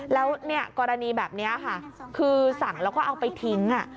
แล้วกรณีแบบนี้ค่ะคือสั่งแล้วก็เอาไปทิ้ง